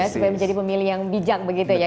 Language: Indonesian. supaya menjadi pemilih yang bijak begitu ya